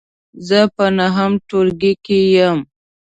زه په نهم ټولګې کې یم .